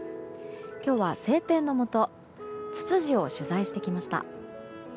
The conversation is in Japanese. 今日は晴天の下ツツジを取材してきました。